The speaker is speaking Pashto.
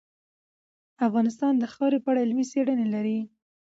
افغانستان د خاوره په اړه علمي څېړنې لري.